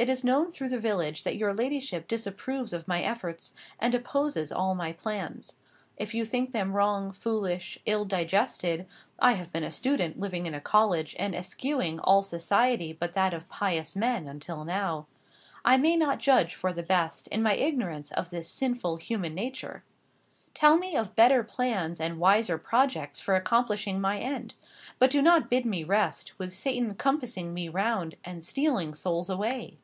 It is known through the village that your ladyship disapproves of my efforts, and opposes all my plans. If you think them wrong, foolish, ill digested (I have been a student, living in a college, and eschewing all society but that of pious men, until now: I may not judge for the best, in my ignorance of this sinful human nature), tell me of better plans and wiser projects for accomplishing my end; but do not bid me rest, with Satan compassing me round, and stealing souls away."